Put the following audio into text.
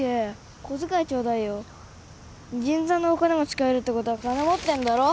銀座のお金持ち飼えるってことは金持ってんだろ？